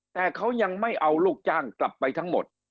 แต่เขายังไม่เอาลูกจ้างกลับไปทั้งหมด